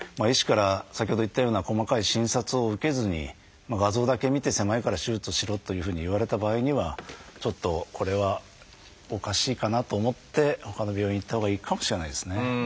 医師から先ほど言ったような細かい診察を受けずに画像だけ見て狭いから手術をしろというふうに言われた場合にはちょっとこれはおかしいかなと思ってほかの病院へ行ったほうがいいかもしれないですね。